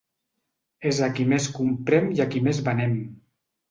És a qui més comprem i a qui més venem.